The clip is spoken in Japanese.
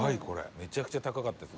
「めちゃくちゃ高かったです」